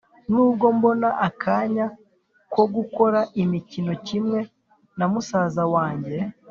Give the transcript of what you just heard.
N’ubwo mbona akanya ko gukora imikoro kimwe na musaza wange,